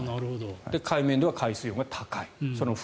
海面では海水温が高い。